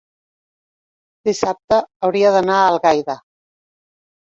Dissabte hauria d'anar a Algaida.